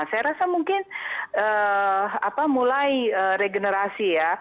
saya rasa mungkin mulai regenerasi ya